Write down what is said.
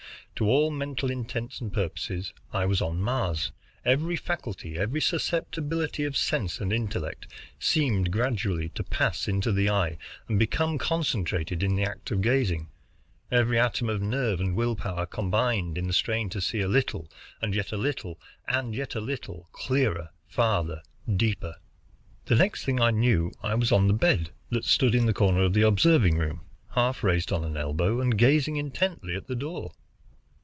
To all mental intents and purposes I was on Mars. Every faculty, every susceptibility of sense and intellect, seemed gradually to pass into the eye, and become concentrated in the act of gazing. Every atom of nerve and will power combined in the strain to see a little, and yet a little, and yet a little, clearer, farther, deeper. The next thing I knew I was on the bed that stood in a corner of the observing room, half raised on an elbow, and gazing intently at the door.